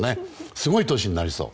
すごい年になりそう。